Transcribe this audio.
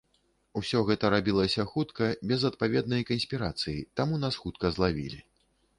Усё гэта рабілася хутка, без адпаведнай канспірацыі, таму нас хутка злавілі.